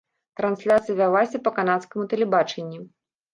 Трансляцыя вялася па канадскаму тэлебачанні.